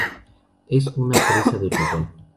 Es una presa de hormigón.